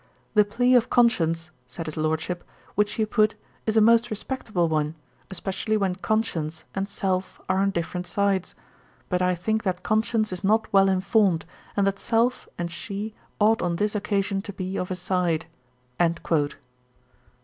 'The plea of conscience (said his Lordship,) which you put, is a most respectable one, especially when conscience and self are on different sides. But I think that conscience is not well informed, and that self and she ought on this occasion to be of a side.'